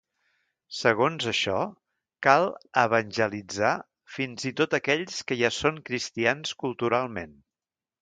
Segons això, cal "evangelitzar" fins i tot a aquells que ja són cristians culturalment.